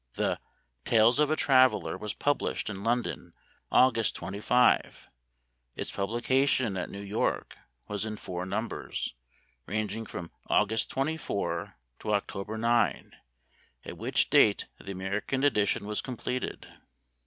The " Tales of a Traveler " was published in London, August 25. Its publication at New York was in four numbers, ranging from Au gust 24 to October 9, at which date the Ameri can edition was completed.